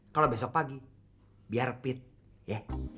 kalau besok pagi biar pit ya